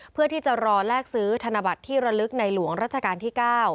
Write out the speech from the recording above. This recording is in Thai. เพื่อที่จะรอแลกซื้อธนบัตรที่ระลึกในหลวงรัชกาลที่๙